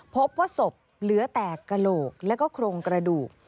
พบว่าศพเหลือแต่กระโหลกแล้วก็โครงกระดูก